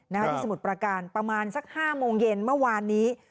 ที่สมุทรประการประมาณสัก๕โมงเย็นเมื่อวานนี้